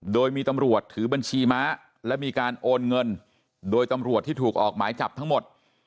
โดยมีตำรวจถือบัญชีม้าและมีการโอนเงินโดยตำรวจที่ถูกออกหมายจับทั้งหมด